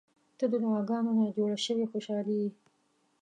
• ته د دعاګانو نه جوړه شوې خوشالي یې.